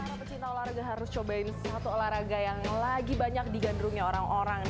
para pecinta olahraga harus cobain satu olahraga yang lagi banyak digandrungi orang orang